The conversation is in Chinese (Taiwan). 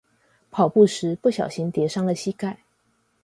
跑步時不小心跌傷了膝蓋